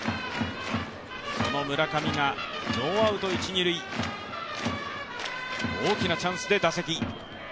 その村上がノーアウト一・二塁、大きなチャンスで打席。